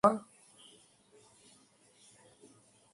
পারবে তুমি, বাবা।